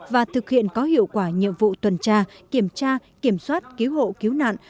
và thực hiện có hiệu quả nhiệm vụ tuần tra kiểm tra kiểm soát cứu hộ cứu nạn